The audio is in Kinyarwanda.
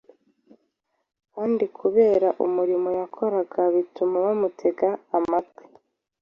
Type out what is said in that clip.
kandi kubera umurimo yakoraga bituma bamutega amatwi.